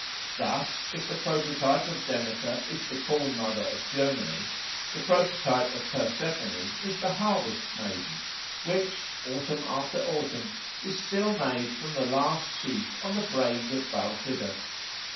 Thus if the prototype of Demeter is the Corn mother of Germany, the prototype of Persephone is the Harvest maiden which, autumn after autumn, is still made from the last sheaf on the Braes of Balquhidder.